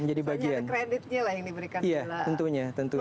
ada banyak kreditnya yang diberikan